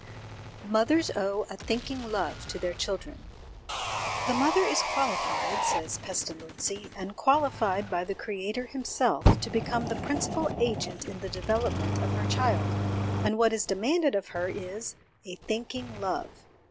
Mothers owe ' a thinking love ' to their Children. " The mother is qualified," says Pesta lozzi, "and qualified by the Creator Himself, to become the principal agent in the development of her child ;... and what is demanded of her is a thinking love.